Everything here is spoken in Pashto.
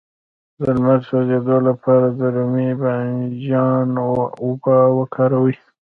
د لمر د سوځیدو لپاره د رومي بانجان اوبه وکاروئ